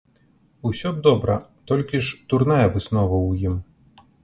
Усё б добра, толькі ж дурная выснова ў ім.